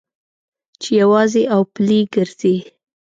چې یوازې او پلي ګرځې.